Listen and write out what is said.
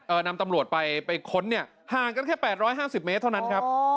นำตำรวจไปไปค้นเนี่ยห่างกันแค่แปดร้อยห้าสิบเมตรเท่านั้นครับ